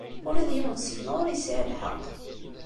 Ula d yiwen seg-neɣ ur yesɛi lḥeqq.